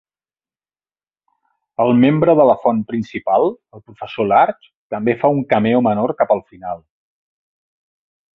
El membre de la font principal, el professor Large, també fa un cameo menor cap al final.